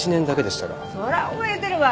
そら覚えてるわ。